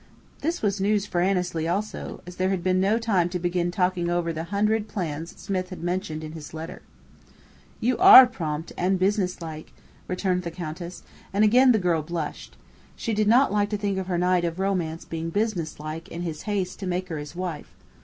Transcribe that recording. (This was news for Annesley also, as there had been no time to begin talking over the "hundred plans" Smith had mentioned in his letter.) "You are prompt and businesslike!" returned the Countess, and again the girl blushed. She did not like to think of her knight of romance being "businesslike" in his haste to make her his wife.